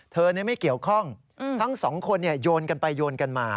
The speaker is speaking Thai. เธอไม่เกี่ยวข้องทั้งสองคนโยนกันไปโยนกันมา